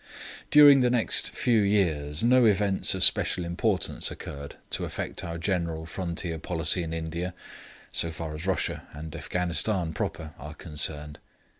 During the next few years no events of special importance occurred to affect our general frontier policy in India, so far as Russia and Afghanistan proper are concerned.